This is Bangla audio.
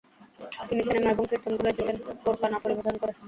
তিনি সিনেমা এবং কীর্তনগুলোয় যেতেন বোরকা না পরিধান করে।